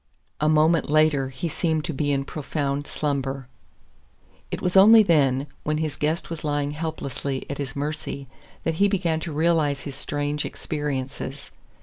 A moment later he seemed to be in a profound slumber. It was only then, when his guest was lying helplessly at his mercy, that he began to realize his strange experiences.